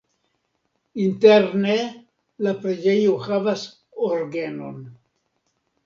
Interne la preĝejo havas orgenon.